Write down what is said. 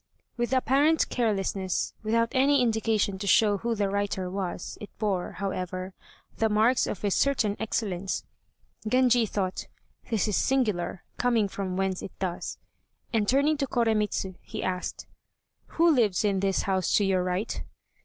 With apparent carelessness, without any indication to show who the writer was, it bore, however, the marks of a certain excellence. Genji thought, "this is singular, coming from whence it does," and turning to Koremitz, he asked, "Who lives in this house to your right?"